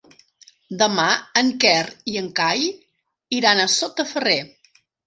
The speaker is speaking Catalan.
Demà en Quer i en Cai iran a Sot de Ferrer.